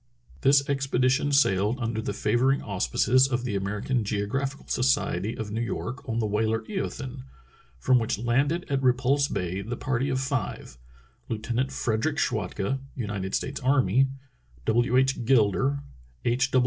This expedition sailed under the favoring au spices of the American Geographical Society of New York on the whaler Eothen, from which landed at Repulse Bay the party of five — Lieutenant Frederick Schwatka, United States Army, W. H. Gilder, H.